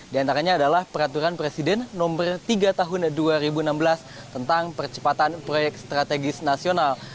di antaranya adalah peraturan presiden nomor tiga tahun dua ribu enam belas tentang percepatan proyek strategis nasional